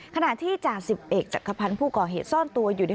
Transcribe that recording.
ขณะที่จ่าสิบเอกจักรพันธ์ผู้ก่อเหตุซ่อนตัวอยู่ใน